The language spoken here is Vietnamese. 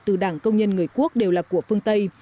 từ đảng công nhân người quốc đều là của phương tây